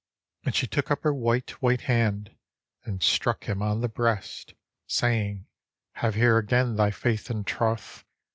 And she took up her white, white hand. And struck him on the breast; Saying, " Have here again thy faith and troth.